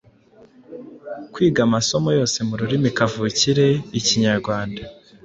kwiga amasomo yose mu rurimi kavukire ikinyarwanda